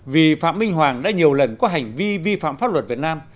vì phạm minh hoàng đã nhiều lần có hành vi vi phạm pháp luật việt nam